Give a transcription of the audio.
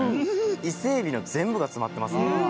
伊勢エビの全部が詰まってますね。